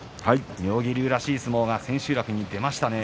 妙義龍らしい相撲が千秋楽に出ましたね。